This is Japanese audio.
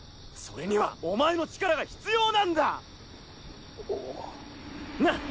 それにはお前の力が必要なんだ！な！